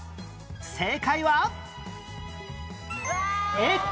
正解は